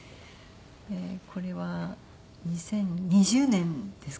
これは２０２０年ですかね。